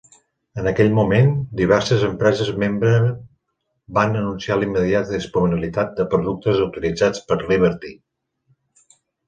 En aquell moment, diverses empreses membre van anunciar l"immediata disponibilitat de productes autoritzats per Liberty.